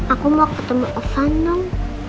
aku mau ketemu ovan dong